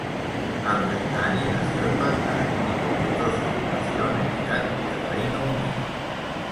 Al-Gailani nació en Bagdad y completó su educación en Irak y el Reino Unido.